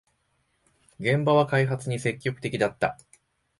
現場は開発に積極的だった